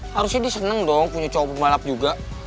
harusnya dia seneng dong punya cowok balap juga